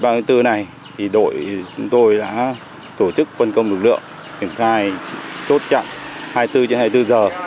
trong dịp ba mươi bốn này đội chúng tôi đã tổ chức phân công lực lượng kiểm tra chốt chặn hai mươi bốn trên hai mươi bốn giờ